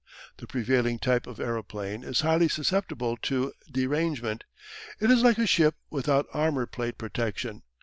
The prevailing type of aeroplane is highly susceptible to derangement: it is like a ship without armour plate protection.